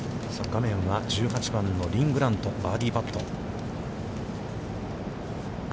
画面は１８番のリン・グラント、バーディーパット。